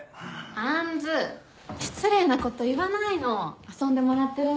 杏失礼なこと言わないの遊んでもらってるんだから。